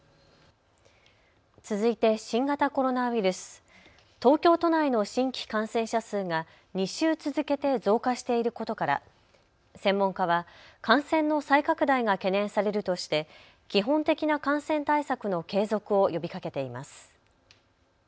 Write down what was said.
続いて新型コロナウイルス、東京都内の新規感染者数が２週続けて増加していることから専門家は感染の再拡大が懸念されるとして基本的な感染対策の継続を呼びかけています。